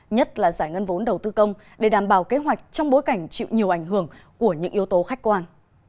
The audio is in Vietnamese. nhất là giải ngân vốn đầu tư công để đảm bảo kế hoạch trong bối cảnh chịu nhiều ảnh hưởng của những yếu tố khách quan